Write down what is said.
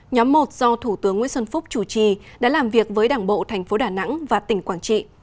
nhóm một do thủ tướng nguyễn xuân phúc chủ trì đã làm việc với đảng bộ thành phố đà nẵng và tỉnh quảng trị